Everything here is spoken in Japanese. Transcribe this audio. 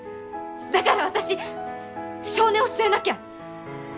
だから私性根を据えなきゃ！